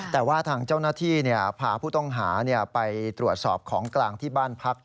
แต่ว่าทางเจ้าหน้าที่พาผู้ต้องหาไปตรวจสอบของกลางที่บ้านพัก